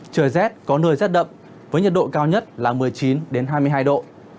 trời rét có nơi rét đậm với nhiệt độ cao nhất là một mươi chín hai mươi hai độ